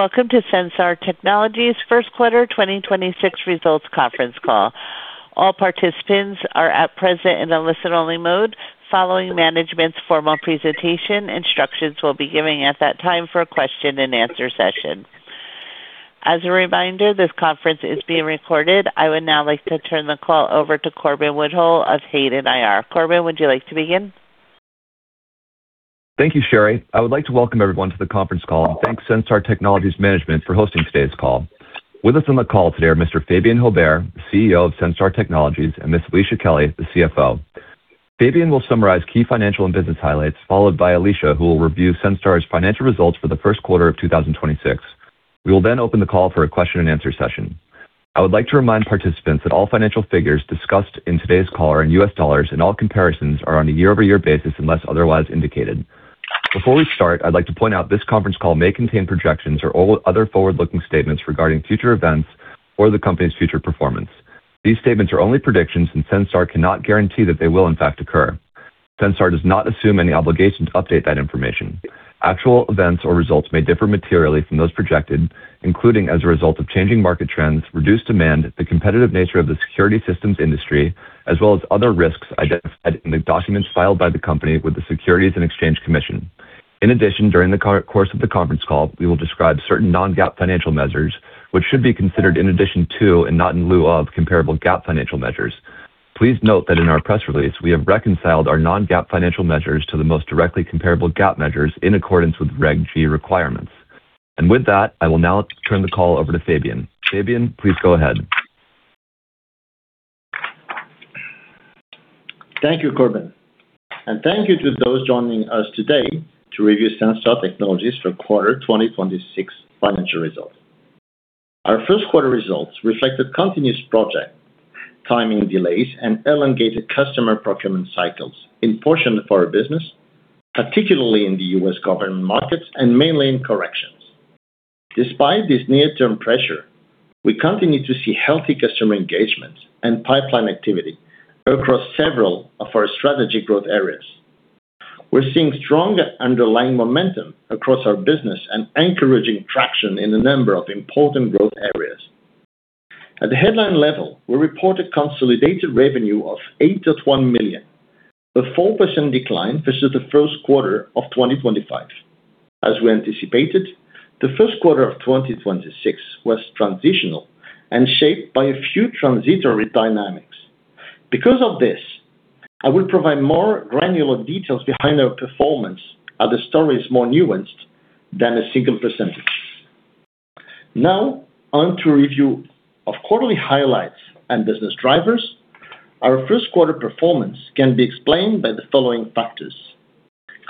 Welcome to Senstar Technologies' first quarter 2026 results conference call. All participants are at present in a listen-only mode. Following management's formal presentation, instructions will be given at that time for a question-and-answer session. As a reminder, this conference is being recorded. I would now like to turn the call over to Corbin Woodhull of Hayden IR. Corbin, would you like to begin? Thank you, Sherry. I would like to welcome everyone to the conference call and thank Senstar Technologies management for hosting today's call. With us on the call today are Mr. Fabien Haubert, the CEO of Senstar Technologies, and Ms. Alicia Kelly, the CFO. Fabien will summarize key financial and business highlights, followed by Alicia, who will review Senstar's financial results for the first quarter of 2026. We will then open the call for a question-and-answer session. I would like to remind participants that all financial figures discussed in today's call are in U.S. dollars, and all comparisons are on a year-over-year basis unless otherwise indicated. Before we start, I'd like to point out this conference call may contain projections or other forward-looking statements regarding future events or the company's future performance. These statements are only predictions, and Senstar cannot guarantee that they will in fact occur. Senstar does not assume any obligation to update that information. Actual events or results may differ materially from those projected, including as a result of changing market trends, reduced demand, the competitive nature of the security systems industry, as well as other risks identified in the documents filed by the company with the Securities and Exchange Commission. In addition, during the course of the conference call, we will describe certain non-GAAP financial measures, which should be considered in addition to and not in lieu of comparable GAAP financial measures. Please note that in our press release, we have reconciled our non-GAAP financial measures to the most directly comparable GAAP measures in accordance with Regulation G requirements. With that, I will now turn the call over to Fabien. Fabien, please go ahead. Thank you, Corbin. Thank you to those joining us today to review Senstar Technologies' first quarter 2026 financial results. Our first quarter results reflect the company's project timing delays and elongated customer procurement cycles in portions of our business, particularly in the U.S. government markets and mainland corrections. Despite this near-term pressure, we continue to see healthy customer engagement and pipeline activity across several of our strategic growth areas. We're seeing stronger underlying momentum across our business and encouraging traction in a number of important growth areas. At the headline level, we reported consolidated revenue of $81 million, a 4% decline versus the first quarter of 2025. As we anticipated, the first quarter of 2026 was transitional and shaped by a few transitory dynamics. Because of this, I will provide more granular details behind our performance as the story is more nuanced than a single percentage. Now, on to a review of quarterly highlights and business drivers. Our first quarter performance can be explained by the following factors: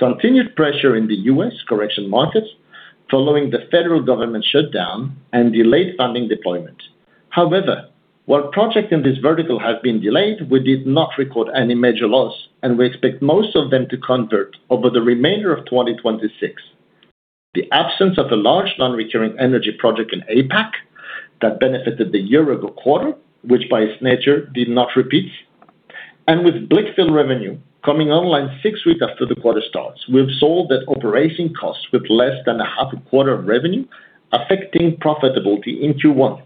Continued pressure in the U.S. correction markets following the federal government shutdown and delayed funding deployment. However, while project in this vertical has been delayed, we did not record any major loss, and we expect most of them to convert over the remainder of 2026. The absence of a large non-recurring energy project in APAC that benefited the year-ago quarter, which by its nature did not repeat. With Blickfeld revenue coming online six weeks after the quarter starts, we absorbed their operating costs with less than a half a quarter of revenue affecting profitability in Q1.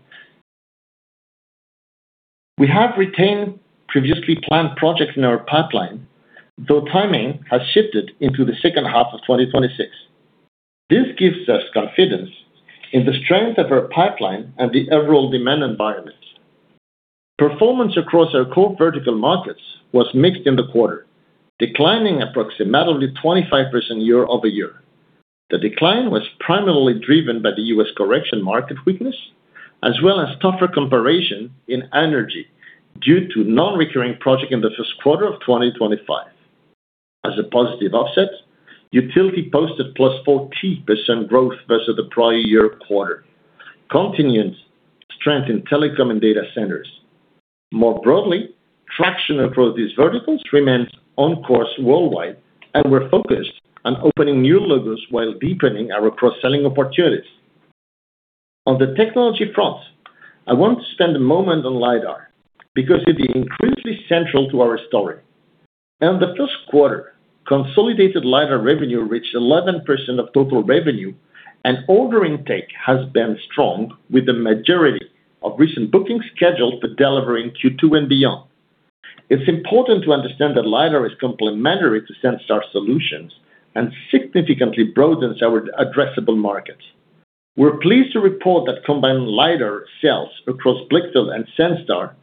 We have retained previously planned projects in our pipeline, though timing has shifted into the second half of 2026. This gives us confidence in the strength of our pipeline and the overall demand environment. Performance across our core vertical markets was mixed in the quarter, declining approximately 25% year-over-year. The decline was primarily driven by the U.S. correction market weakness, as well as tougher comparison in energy due to non-recurring project in the first quarter of 2025. As a positive offset, utility posted +14% growth versus the prior year quarter, continuing strength in telecom and data centers. More broadly, traction across these verticals remains on course worldwide, and we're focused on opening new logos while deepening our cross-selling opportunities. On the technology front, I want to spend a moment on LiDAR because it is increasingly central to our story. In the first quarter, consolidated LiDAR revenue reached 11% of total revenue and order intake has been strong, with the majority of recent bookings scheduled to deliver in Q2 and beyond. It's important to understand that LiDAR is complementary to Senstar solutions and significantly broadens our addressable markets. We're pleased to report that combined LiDAR sales across Blickfeld and Senstar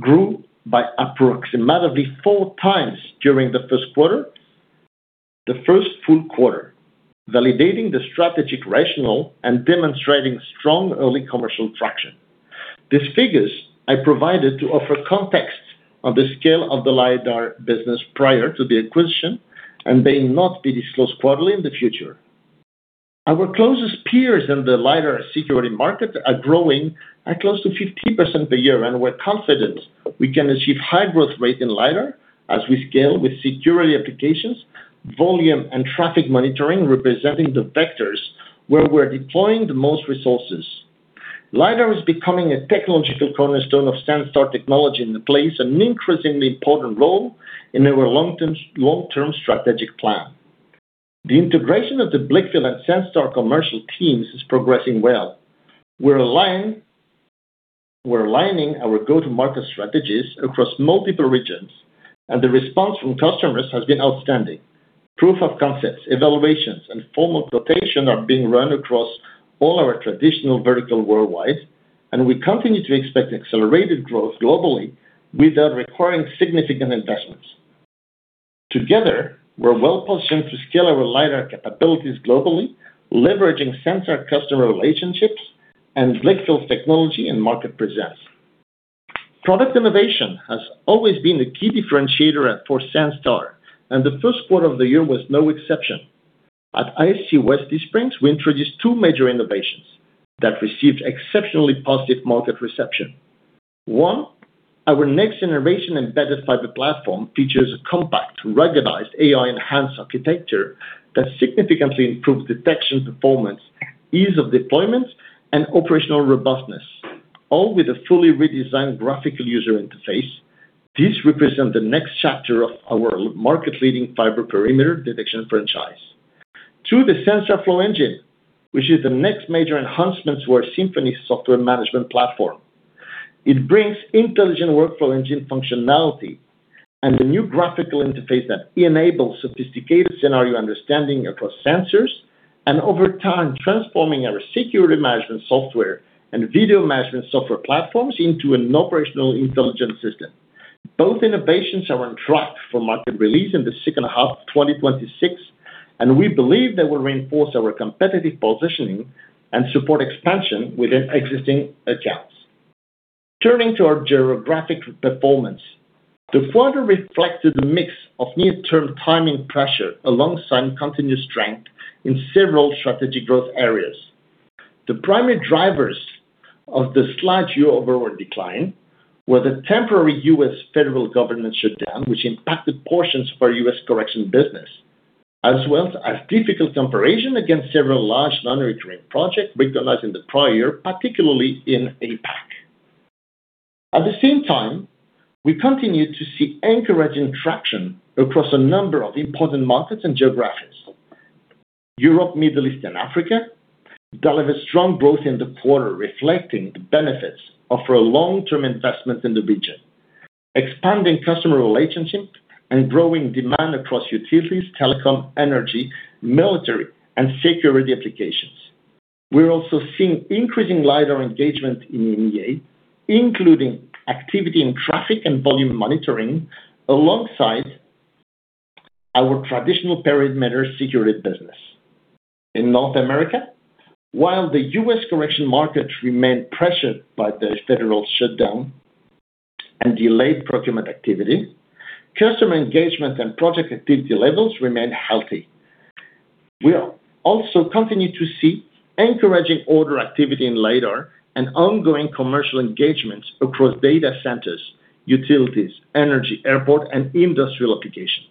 grew by approximately four times during the first quarter, the first full quarter, validating the strategic rationale and demonstrating strong early commercial traction. These figures I provided to offer context on the scale of the LiDAR business prior to the acquisition and may not be disclosed quarterly in the future. Our closest peers in the LiDAR security market are growing at close to 50% a year, and we're confident we can achieve high growth rate in LiDAR as we scale with security applications, volume and traffic monitoring representing the vectors where we're deploying the most resources. LiDAR is becoming a technological cornerstone of Senstar Technologies and plays an increasingly important role in our long-term strategic plan. The integration of the Blickfeld and Senstar commercial teams is progressing well. We're aligning our go-to-market strategies across multiple regions, and the response from customers has been outstanding. Proof of concepts, evaluations, and formal quotation are being run across all our traditional vertical worldwide, and we continue to expect accelerated growth globally without requiring significant investments. Together, we're well-positioned to scale our LiDAR capabilities globally, leveraging Senstar customer relationships and Blickfeld's technology and market presence. Product innovation has always been a key differentiator for Senstar, and the first quarter of the year was no exception. At ISC West in Las Vegas, we introduced two major innovations that received exceptionally positive market reception. One, our next-generation embedded fiber platform features a compact, ruggedized, AI-enhanced architecture that significantly improves detection performance, ease of deployment, and operational robustness, all with a fully redesigned graphical user interface. This represents the next chapter of our market-leading fiber perimeter detection franchise. Two, the Sensor Fusion Engine, which is the next major enhancement to our Symphony software management platform. It brings intelligent workflow engine functionality and a new graphical interface that enables sophisticated scenario understanding across sensors, and over time, transforming our security management software and video management software platforms into an operational intelligence system. Both innovations are on track for market release in the second half of 2026, and we believe they will reinforce our competitive positioning and support expansion within existing accounts. Turning to our geographic performance. The quarter reflected a mix of near-term timing pressure alongside continued strength in several strategic growth areas. The primary drivers of the slight year-over-year decline were the temporary U.S. federal government shutdown, which impacted portions of our U.S. corrections business, as well as a difficult comparison against several large non-recurring projects recognized in the prior year, particularly in APAC. At the same time, we continued to see encouraging traction across a number of important markets and geographies. Europe, Middle East, and Africa delivered strong growth in the quarter, reflecting the benefits of our long-term investment in the region, expanding customer relationships and growing demand across utilities, telecom, energy, military, and security applications. We're also seeing increasing LiDAR engagement in EMEA, including activity in traffic and volume monitoring, alongside our traditional perimeter security business. In North America, while the U.S. corrections markets remained pressured by the federal shutdown and delayed procurement activity, customer engagement and project activity levels remained healthy. We also continue to see encouraging order activity in LiDAR and ongoing commercial engagements across data centers, utilities, energy, airport, and industrial applications.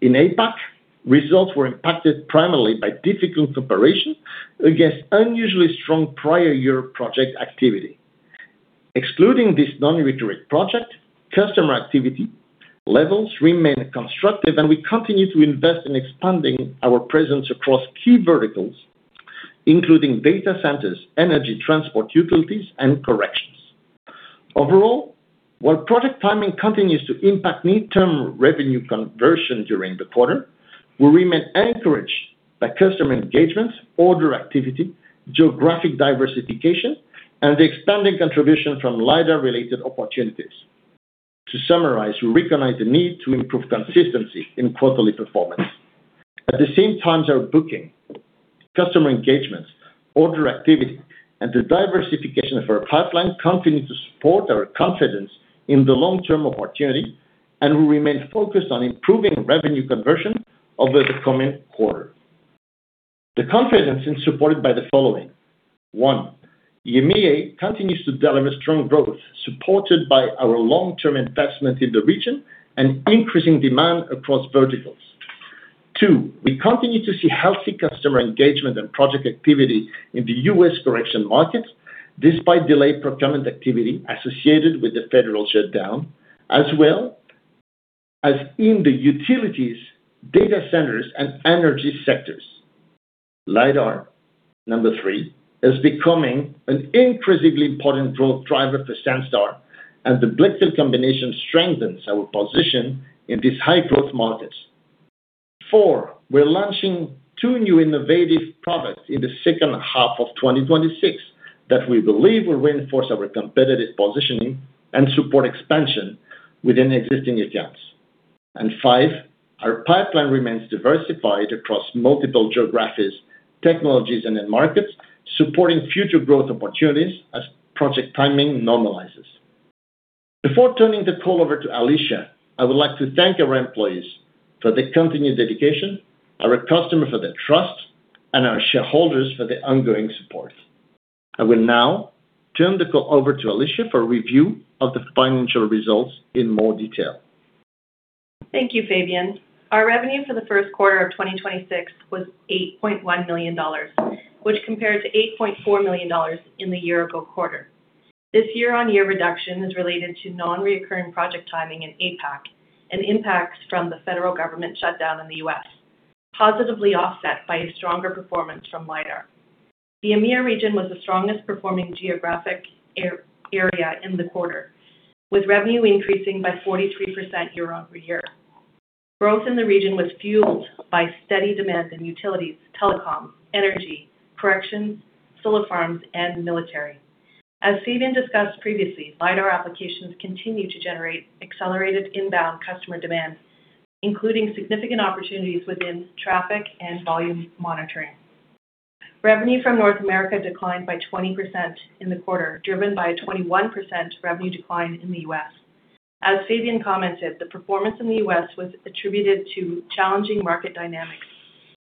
In APAC, results were impacted primarily by difficult comparison against unusually strong prior year project activity. Excluding this non-recurring project, customer activity levels remained constructive, and we continue to invest in expanding our presence across key verticals, including data centers, energy, transport, utilities, and corrections. Overall, while product timing continues to impact near-term revenue conversion during the quarter, we remain encouraged by customer engagement, order activity, geographic diversification, and the expanding contribution from LiDAR-related opportunities. To summarize, we recognize the need to improve consistency in quarterly performance. At the same time, our booking, customer engagements, order activity, and the diversification of our pipeline continue to support our confidence in the long-term opportunity, and we remain focused on improving revenue conversion over the coming quarters. The confidence is supported by the following. One, EMEA continues to deliver strong growth, supported by our long-term investment in the region and increasing demand across verticals. Two, we continue to see healthy customer engagement and project activity in the U.S. correction markets, despite delayed procurement activity associated with the federal shutdown, as well as in the utilities, data centers, and energy sectors. LiDAR, number three, is becoming an increasingly important growth driver for Senstar, and the Blickfeld combination strengthens our position in these high-growth markets. Four, we're launching two new innovative products in the second half of 2026 that we believe will reinforce our competitive positioning and support expansion within existing accounts. Five, our pipeline remains diversified across multiple geographies, technologies, and end markets, supporting future growth opportunities as project timing normalizes. Before turning the call over to Alicia, I would like to thank our employees for their continued dedication, our customers for their trust, and our shareholders for their ongoing support. I will now turn the call over to Alicia for a review of the financial results in more detail. Thank you, Fabien. Our revenue for the first quarter of 2026 was $8.1 million, which compares to $8.4 million in the year-ago quarter. This year-over-year reduction is related to non-recurring project timing in APAC and impacts from the federal government shutdown in the U.S., positively offset by a stronger performance from LiDAR. The EMEA region was the strongest performing geographic area in the quarter, with revenue increasing by 43% year-over-year. Growth in the region was fueled by steady demand in utilities, telecom, energy, corrections, solar farms, and military. As Fabien discussed previously, LiDAR applications continue to generate accelerated inbound customer demand, including significant opportunities within traffic and volume monitoring. Revenue from North America declined by 20% in the quarter, driven by a 21% revenue decline in the U.S. As Fabien commented, the performance in the U.S. was attributed to challenging market dynamics,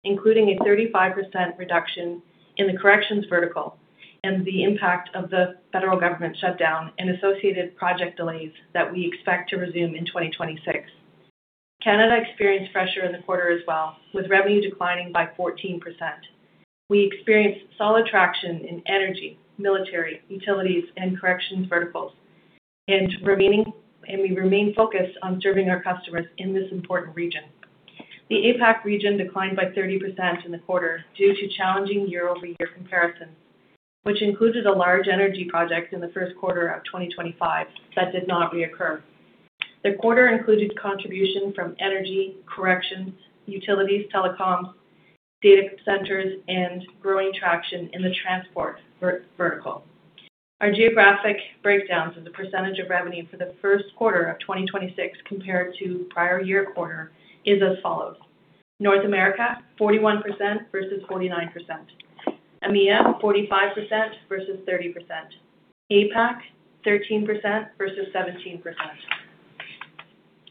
including a 35% reduction in the corrections vertical and the impact of the federal government shutdown and associated project delays that we expect to resume in 2026. Canada experienced pressure in the quarter as well, with revenue declining by 14%. We experienced solid traction in energy, military, utilities, and corrections verticals, and we remain focused on serving our customers in this important region. The APAC region declined by 30% in the quarter due to challenging year-over-year comparisons, which included a large energy project in the first quarter of 2025 that did not reoccur. The quarter included contribution from energy, corrections, utilities, telecoms, data centers, and growing traction in the transport vertical. Our geographic breakdown for the percentage of revenue for the first quarter of 2026 compared to prior year quarter is as follows. North America, 41% versus 49%. EMEA, 45% versus 30%. APAC, 13% versus 17%.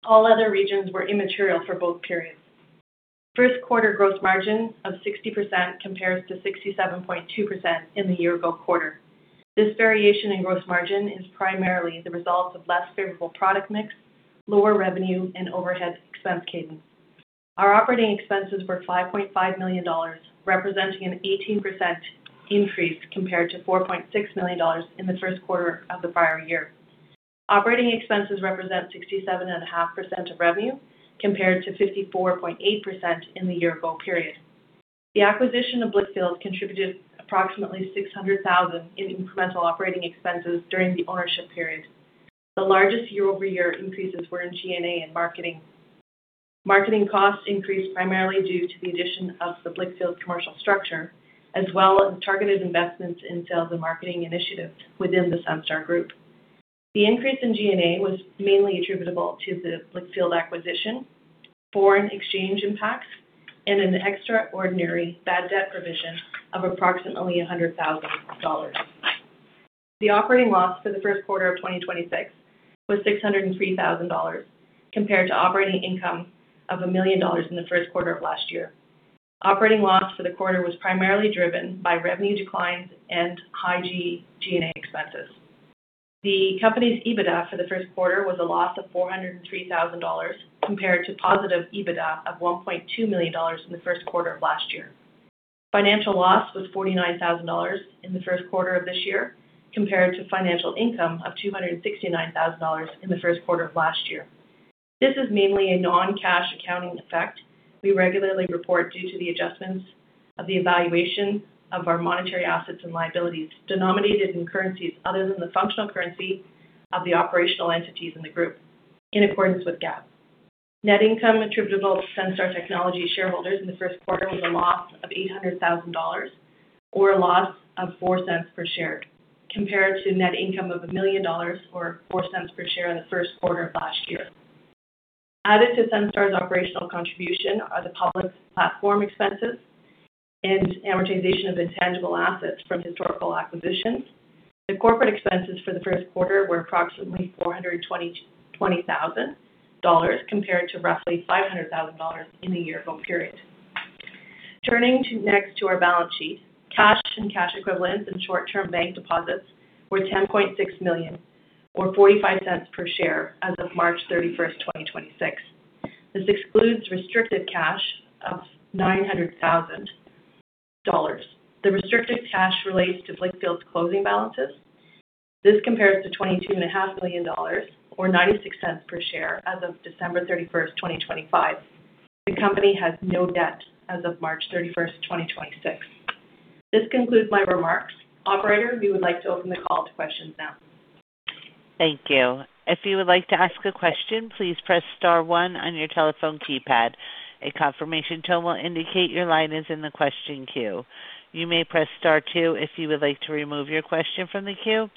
All other regions were immaterial for both periods. First quarter gross margin of 60% compares to 67.2% in the year-ago quarter. This variation in gross margin is primarily the result of less favorable product mix, lower revenue, and overhead expense savings. Our operating expenses were $5.5 million, representing an 18% increase compared to $4.6 million in the first quarter of the prior year. Operating expenses represent 67.5% of revenue, compared to 54.8% in the year-ago period. The acquisition of Blickfeld contributed approximately $600,000 in incremental operating expenses during the ownership period. The largest year-over-year increases were in G&A and marketing. Marketing costs increased primarily due to the addition of the Blickfeld commercial structure, as well as targeted investments in sales and marketing initiatives within the Senstar group. The increase in G&A was mainly attributable to the Blickfeld acquisition, foreign exchange impacts, and an extraordinary bad debt provision of approximately $100,000. The operating loss for the first quarter of 2026 was $603,000, compared to operating income of $1 million in the first quarter of last year. Operating loss for the quarter was primarily driven by revenue declines and high G&A expenses. The company's EBITDA for the first quarter was a loss of $403,000, compared to positive EBITDA of $1.2 million in the first quarter of last year. Financial loss was $49,000 in the first quarter of this year, compared to financial income of $269,000 in the first quarter of last year. This is mainly a non-cash accounting effect we regularly report due to the adjustments of the evaluation of our monetary assets and liabilities denominated in currencies other than the functional currency of the operational entities in the group, in accordance with GAAP. Net income attributable to Senstar Technologies shareholders in the first quarter was a loss of $800,000 or a loss of $0.04 per share, compared to net income of $1 million or $0.04 per share in the first quarter of last year. Added to Senstar's operational contribution are the public platform expenses and amortization of intangible assets from historical acquisitions. The corporate expenses for the first quarter were approximately $420,000 compared to roughly $500,000 in the year-ago period. Turning to next to our balance sheet. Cash and cash equivalents and short-term bank deposits were $10.6 million or $0.45 per share as of March 31st, 2026. This excludes restricted cash of $900,000. The restricted cash relates to Blickfeld's closing balances. This compares to $22.5 million or $0.96 per share as of December 31st, 2025. The company has no debt as of March 31st, 2026. This concludes my remarks. Operator, we would like to open the call to questions now. Thank you. If you would like to ask a question, please press star one on your telephone keypad. A confirmation tone will indicate your line is in the question queue. You may press star two if you would like to remove your question from the queue.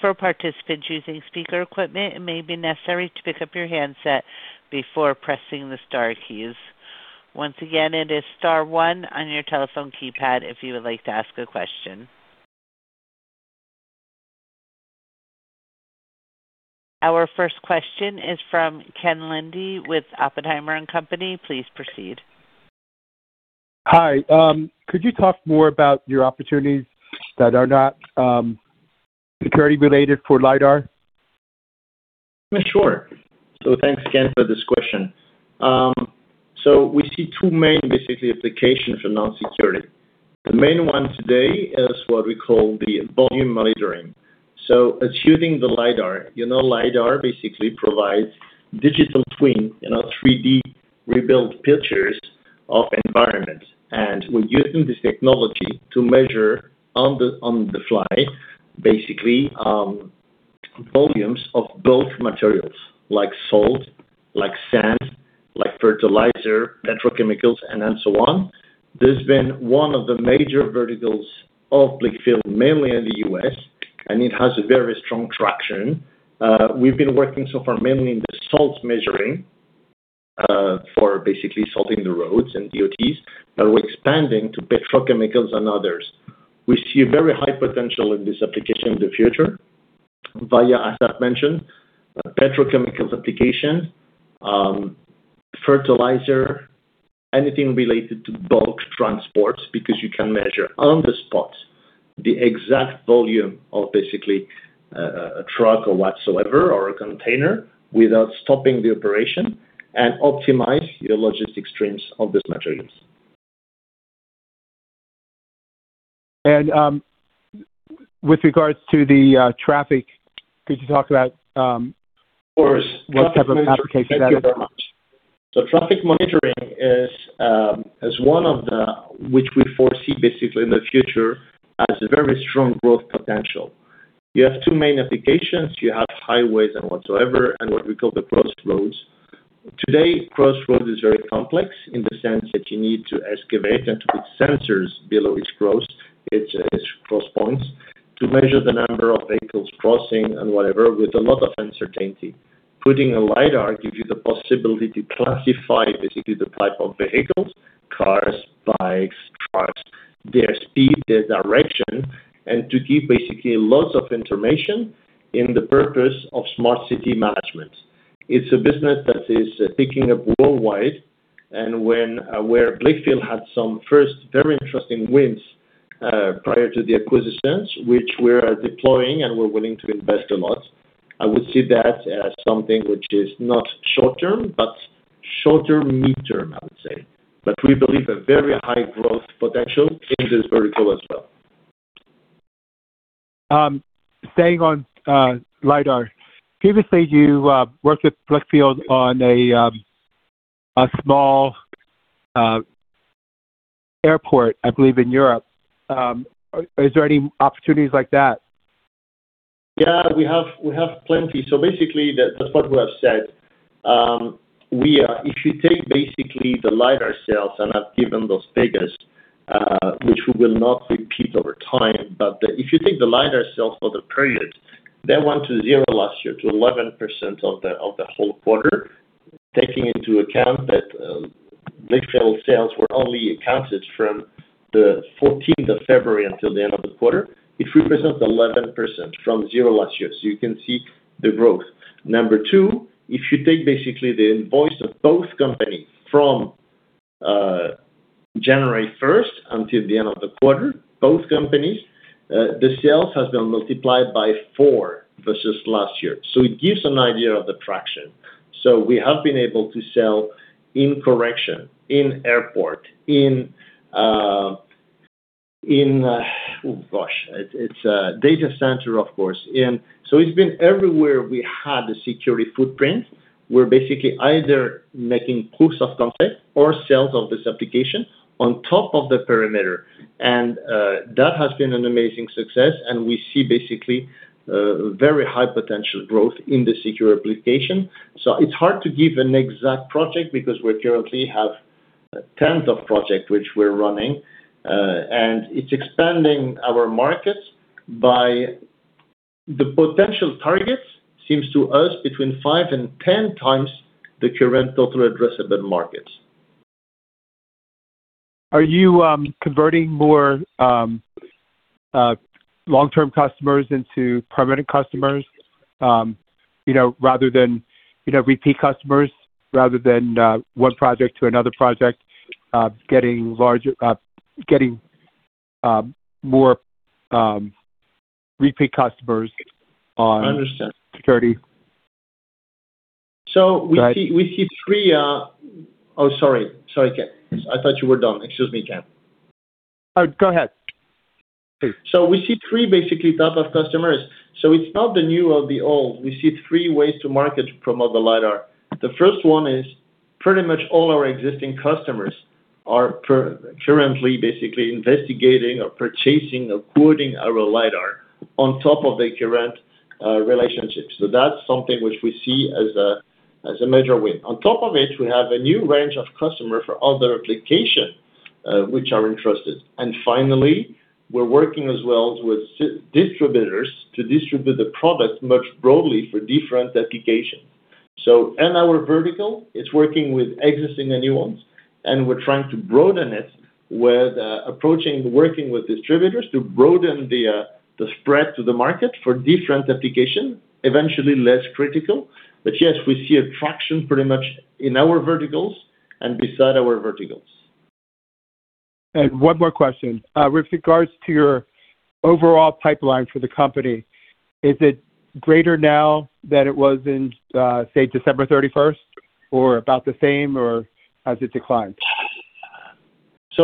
For participants using speaker equipment, it may be necessary to pick up your handset before pressing the star keys. Once again, it is star one on your telephone keypad if you would like to ask a question. Our first question is from Ken Liddy with Oppenheimer and Company. Please proceed. Hi. Could you talk more about your opportunities that are not security related for LiDAR? Sure. Thanks again for this question. We see two main basically applications for non-security. The main one today is what we call the volume monitoring. Achieving the LiDAR. LiDAR basically provides digital twin in a 3D rebuilt pictures of environment. We're using this technology to measure on the fly, basically, volumes of bulk materials like salt, like sand, like fertilizer, petrochemicals, and so on. This has been one of the major verticals of Blickfeld, mainly in the U.S., and it has a very strong traction. We've been working so far mainly in the salt measuring, for basically salting the roads and DOTs, but we're expanding to petrochemicals and others. We see a very high potential in this application in the future via, as I've mentioned, petrochemicals application, fertilizer, anything related to bulk transports, because you can measure on the spot the exact volume of basically a truck or whatsoever, or a container without stopping the operation and optimize your logistic streams of these materials. With regards to the traffic, could you talk- Of course. ...what type of applications? Thank you very much. Traffic monitoring is one of the which we foresee basically in the future has a very strong growth potential. You have two main applications. You have highways and whatsoever, and what we call the crossroads. Today, crossroads is very complex in the sense that you need to excavate and put sensors below each cross points to measure the number of vehicles crossing and whatever with a lot of uncertainty. Putting a LiDAR gives you the possibility to classify basically the type of vehicles, cars, bikes, trucks, their speed, their direction, and to give basically lots of information in the purpose of smart city management. It's a business that is picking up worldwide and where Blickfeld had some first very interesting wins prior to the acquisitions, which we are deploying, and we're willing to invest a lot. I would see that as something which is not short-term, but shorter midterm, I would say. We believe a very high growth potential in this vertical as well. Staying on LiDAR. You said you worked with Blickfeld on a small airport, I believe, in Europe. Are there any opportunities like that? Yeah, we have plenty. Basically, that's the point we have said. If you take basically the LiDAR sales, and I've given those figures, which we will not repeat over time, but if you take the LiDAR sales for the period, they went to 0% last year to 11% of the whole quarter. Taking into account that Blickfeld sales were only accounted from February 4th until the end of the quarter. It represents 11% from 0% last year, you can see the growth. Number two, if you take basically the invoice of both companies from January 1st until the end of the quarter, both companies, the sales has been multiplied by four versus last year. It gives an idea of the traction. We have been able to sell in correction, in airport, in Oh, gosh, it's a data center, of course. It's been everywhere we had a security footprint. We're basically either making proofs of concept or sales of this application on top of the perimeter. That has been an amazing success, and we see basically very high potential growth in the security application. It's hard to give an exact project because we currently have tens of projects which we're running, and it's expanding our markets by the potential targets seems to us between five and 10 times the current total addressable market. Are you converting more long-term customers into permanent customers? Rather than repeat customers, rather than one project to another project, getting more repeat customers- I understand. ...security. Oh, sorry, Ken. I thought you were done. Excuse me, Ken. Oh, go ahead. We see three basically types of customers. It's not the new or the old. We see three ways to market to promote the LiDAR. The first one is pretty much all our existing customers are currently basically investigating or purchasing or quoting our LiDAR on top of their current relationships. That's something which we see as a major win. On top of it, we have a new range of customers for other applications which are interested. Finally, we're working as well with distributors to distribute the product much broadly for different applications. In our vertical, it's working with existing and new ones, and we're trying to broaden it. We're approaching working with distributors to broaden the spread to the market for different applications, eventually less critical. Yes, we see a traction pretty much in our verticals and beside our verticals. One more question. With regards to your overall pipeline for the company, is it greater now than it was in, say, December 31st, or about the same, or has it declined?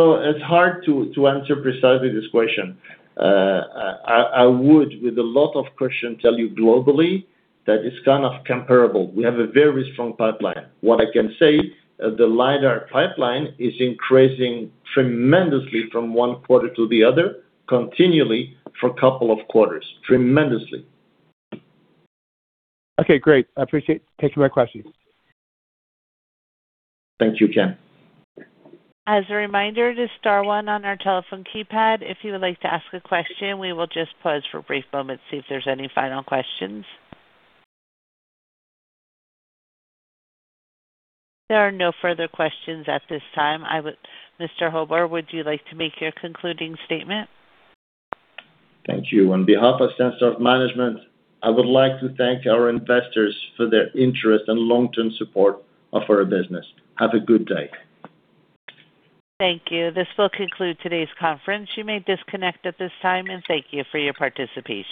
It's hard to answer precisely this question. I would, with a lot of question, tell you globally that it's kind of comparable. We have a very strong pipeline. What I can say, the LiDAR pipeline is increasing tremendously from one quarter to the other, continually for a couple of quarters. Tremendously. Okay, great. I appreciate you taking my questions. Thank you, Ken. As a reminder, just star one on our telephone keypad if you would like to ask a question. We will just pause for a brief moment to see if there's any final questions. There are no further questions at this time. Mr. Haubert, would you like to make your concluding statement? Thank you. On behalf of Senstar Management, I would like to thank our investors for their interest and long-term support of our business. Have a good day. Thank you. This will conclude today's conference. You may disconnect at this time, and thank you for your participation.